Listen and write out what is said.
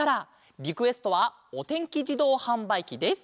リクエストは「おてんきじどうはんばいき」です。